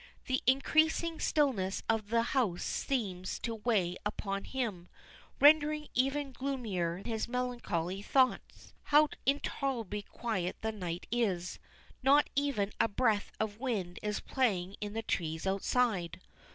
The increasing stillness of the house seems to weigh upon him, rendering even gloomier his melancholy thoughts. How intolerably quiet the night is, not even a breath of wind is playing in the trees outside.